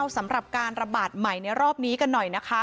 สำหรับการระบาดใหม่ในรอบนี้กันหน่อยนะคะ